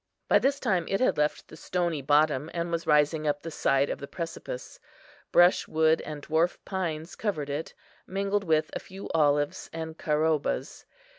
By this time it had left the stony bottom, and was rising up the side of the precipice. Brushwood and dwarf pines covered it, mingled with a few olives and caroubas.